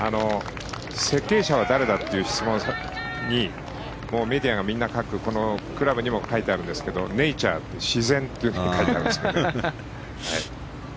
設計者は誰だっていう質問に、メディアがみんなこのクラブにも書いてあるんですけどネイチャー自然というふうに書いてある。